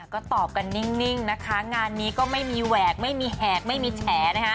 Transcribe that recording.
ก็ตอบกันนิ่งนะคะงานนี้ก็ไม่มีแหวกไม่มีแหกไม่มีแฉนะคะ